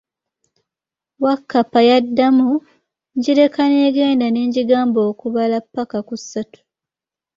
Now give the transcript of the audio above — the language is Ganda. Wakkapa yaddamu, njireka n'egenda ne njigamba okubala pakka ku ssatu.